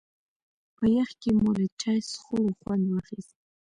په يخ کې مو له چای څښلو خوند واخيست.